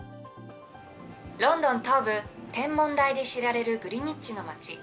ロンドン東部天文台で知られるグリニッジの町。